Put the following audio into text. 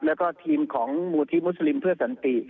แล้วก็ทีมของมูลที่มุสลิมเพื่อสันติ